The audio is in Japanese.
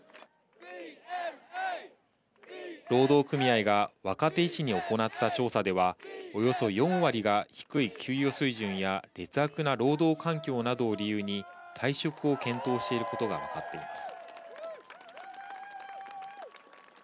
労働組合が若手医師に行った調査では、およそ４割が低い給与水準や劣悪な労働環境などを理由に、退職を検討していることが分かっています。